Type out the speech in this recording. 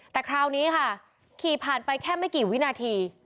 แต่คราวนี้ค่ะขี่ผ่านไปแค่ไม่กี่วินาที